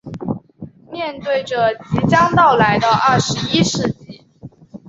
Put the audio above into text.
面对着即将到来的二十一世纪